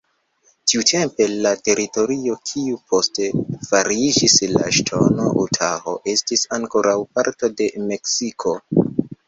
Tiutempe, la teritorio kiu poste fariĝis la ŝtato Utaho, estis ankoraŭ parto de Meksiko.